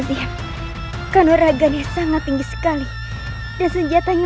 jangan lupa like share dan subscribe ya